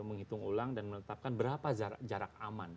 menghitung ulang dan menetapkan berapa jarak aman